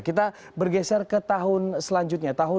kita bergeser ke tahun selanjutnya tahun dua ribu dua puluh